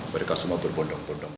mereka semua berbondong bondong